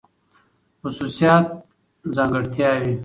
خصوصيات √ ځانګړتياوې